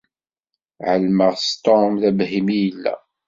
Ԑelmeɣ s Tom d abhim i yella.